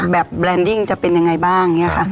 แบบแบรนดิ่งจะเป็นอย่างไรบ้าง